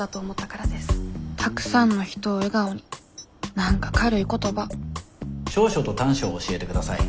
たくさんの人を笑顔に何か軽い言葉長所と短所を教えて下さい。